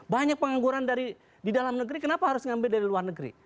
banyak pengangguran di dalam negeri kenapa harus mengambil dari luar negeri